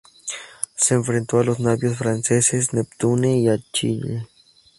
Se enfrentó a los navíos franceses "Neptune" y "Achille".